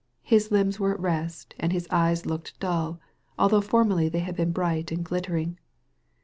His limbs were at rest, and his eyes looked dull, although formerly they had been bright and glittering.